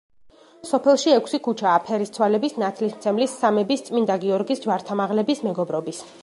სოფელში ექვსი ქუჩაა: ფერისცვალების, ნათლისმცემლის, სამების, წმინდა გიორგის, ჯვართამაღლების, მეგობრობის.